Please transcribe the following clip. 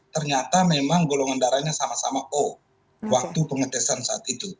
ternyata memang golongan darahnya sama sama o waktu pengetesan saat itu